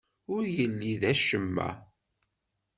Ur yelli d acemma.